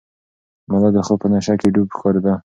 ملا د خوب په نشه کې ډوب ښکارېده.